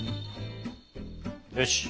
よし！